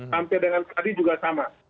sampai dengan tadi juga sama